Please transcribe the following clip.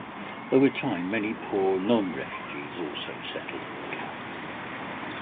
Over time many poor non-refugees also settled in the camp.